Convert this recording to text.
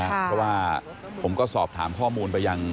เพราะว่าผมก็สอบถามข้อมูลไปยัง